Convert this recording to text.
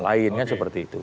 lain seperti itu